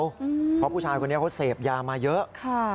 เพราะผู้ชายคนนี้เขาเสพยามาเยอะ